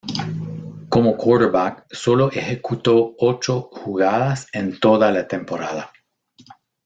Como quarterback solo ejecutó ocho jugadas en toda la temporada.